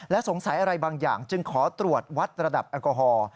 สงสัยอะไรบางอย่างจึงขอตรวจวัดระดับแอลกอฮอล์